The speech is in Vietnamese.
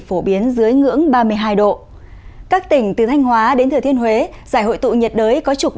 phổ biến dưới ngưỡng ba mươi hai độ các tỉnh từ thanh hóa đến thừa thiên huế giải hội tụ nhiệt đới có trục